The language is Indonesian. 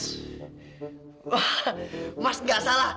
wah mas nggak salah